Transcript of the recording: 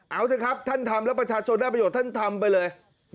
เอาเถอะครับท่านทำแล้วประชาชนได้ประโยชน์ท่านทำไปเลย